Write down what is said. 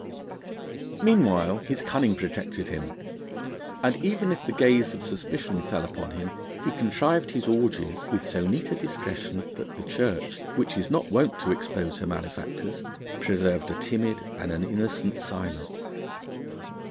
Meanwhile his cunning protected him, and even if the gaze of suspicion fell upon him he contrived his orgies with so neat a discretion that the Church, which is not wont to expose her malefactors, preserved a timid and an innocent silence.